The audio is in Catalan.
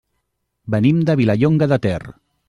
Venim de Vilallonga de Ter.